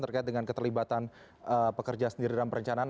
terkait dengan keterlibatan pekerja sendiri dalam perencanaan